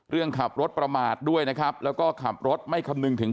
เรื่องขับรถประมาทด้วยนะครับแล้วก็ขับรถไม่คำนึงถึง